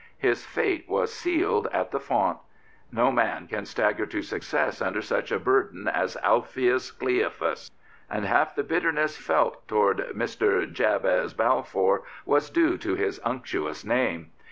His fate was sealed at the font. No man can stagger to success under such a burden as Alpheus Cleophas. And half the bitterness felt towards Mr. Jabez Bdfour was due to his unctuous name.